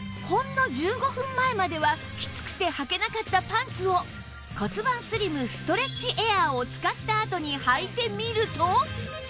ほんの１５分前まではきつくてはけなかったパンツを骨盤スリムストレッチエアーを使ったあとにはいてみると